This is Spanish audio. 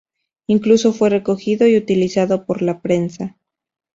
Incluso fue recogido y utilizado por la prensa.